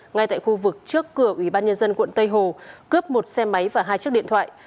ngay tại khu vực trước cửa ủy ban nhân dân quận tây hồ cướp một xe máy và hai chiếc điện thoại